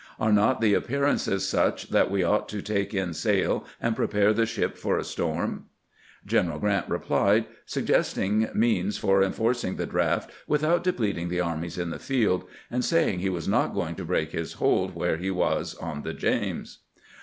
... Are not the appearances such that we ought to take in sail and prepare the ship for a storm !" General Grant replied, suggesting means for enforcing the draft without depleting the armies in the field, and saying he was not going to break his hold where he was on the James.